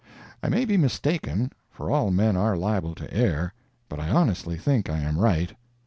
I may be mistaken, for all men are liable to err, but I honestly think I am right.